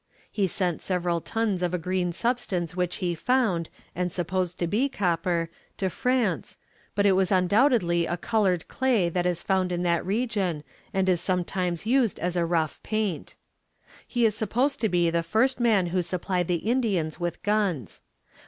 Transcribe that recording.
He sent several tons of a green substance which he found, and supposed to be copper, to France, but it was undoubtedly a colored clay that is found in that region, and is sometimes used as a rough paint. He is supposed to be the first man who supplied the Indians with guns.